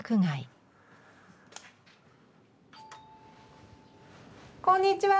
あこんにちは。